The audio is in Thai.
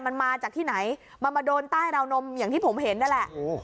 มันมาจากที่ไหนมันมาโดนใต้ราวนมอย่างที่ผมเห็นนั่นแหละ